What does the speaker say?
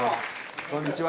こんにちは。